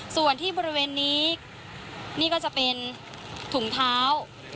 ส่วนที่บริเวณนี้นี่ก็จะเป็นถุงเท้า